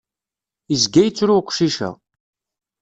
Izga yettru uqcic-a.